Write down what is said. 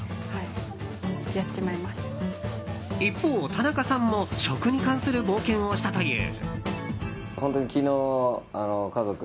一方、田中さんも食に関する冒険をしたという。